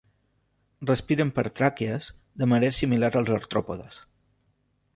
Respiren per tràquees, de manera similar als artròpodes.